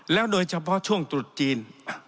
โดยเฉพาะช่วงตรุษจีน